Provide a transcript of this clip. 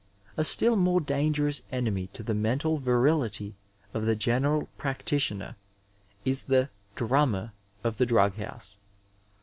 A still more dangerous enemy to the mental virihty of the general practitioner, is the '^ dnunmer " of the drug house.